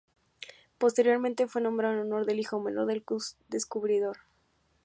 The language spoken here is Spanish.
Posteriormente fue nombrado en honor del hijo menor del descubridor.